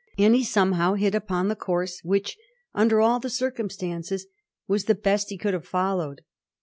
and he somehow hit upon the course which under all the circumstances was the best he could have fol lowed.